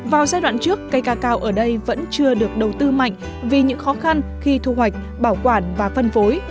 vào giai đoạn trước cây cacao ở đây vẫn chưa được đầu tư mạnh vì những khó khăn khi thu hoạch bảo quản và phân phối